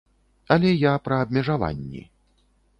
Але я пра абмежаванні.